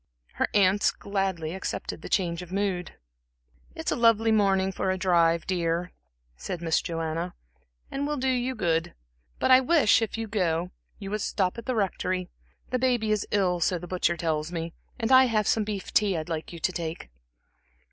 Her aunts gladly accepted the change of mood. "It's a lovely morning for a drive, dear," said Miss Joanna, "and will do you good. But I wish, if you go, you would stop at the Rectory the baby is ill, so the butcher tells me, and I have some beef tea I'd like you to take."